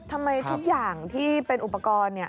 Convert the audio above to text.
ทำไมทุกอย่างที่เป็นอุปกรณ์